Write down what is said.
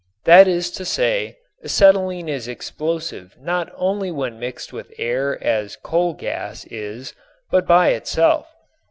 That is to say, acetylene is explosive not only when mixed with air as coal gas is but by itself.